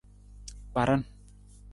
Kparan.